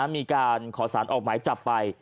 มีการขอสารออกหมายจับไป